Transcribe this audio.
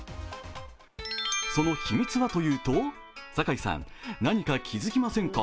その秘密はというと、酒井さん何か気づきませんか？